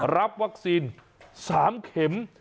รับวัคซีน๓เข็ม